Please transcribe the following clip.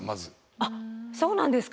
あっそうなんですか！